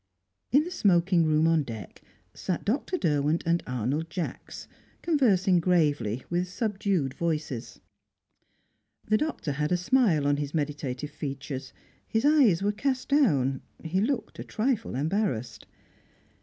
In the smoking room on deck sat Dr. Derwent and Arnold Jacks, conversing gravely, with subdued voices. The Doctor had a smile on his meditative features; his eyes were cast down he looked a trifle embarrassed.